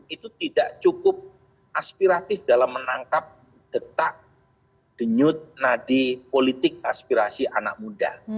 itu tidak cukup aspiratif dalam menangkap detak denyut nadi politik aspirasi anak muda